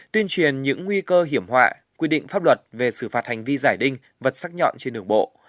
tuyên truyền những nguy cơ hiểm họa quy định pháp luật về xử phạt hành vi giải đinh vật sắc nhọn trên đường bộ